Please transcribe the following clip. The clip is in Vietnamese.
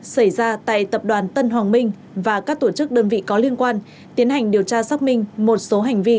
xảy ra tại tập đoàn tân hoàng minh và các tổ chức đơn vị có liên quan tiến hành điều tra xác minh một số hành vi